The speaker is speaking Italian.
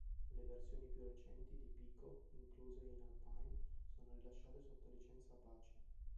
Le versioni più recenti di Pico incluse in Alpine sono rilasciate sotto licenza Apache.